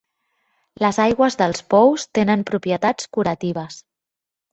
Les aigües dels pous tenen propietats curatives.